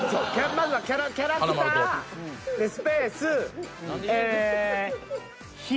まずはキャラクタースペースええ髭。